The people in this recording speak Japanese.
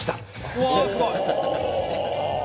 うわすごい！